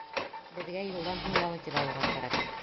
Беҙгә юлдан һуң ял итеп алырға кәрәк.